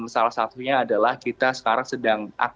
salah satunya adalah kita sekarang sedang